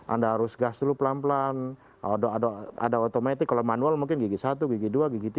anda harus gas dulu pelan pelan ada automatik kalau manual mungkin gigi satu gigi dua gigi tiga